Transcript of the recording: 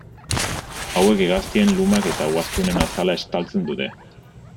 Hauek, hegaztien lumak eta ugaztunen azala estaltzen dute.